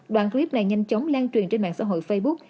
đoạn clip này nhanh chóng lan truyền trên mạng xã hội facebook